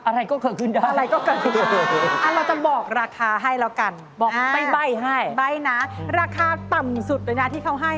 อะไรก็เกิดขึ้นได้